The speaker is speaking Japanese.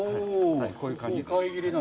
こういう感じで。